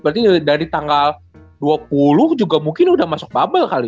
berarti dari tanggal dua puluh juga mungkin sudah masuk bubble kali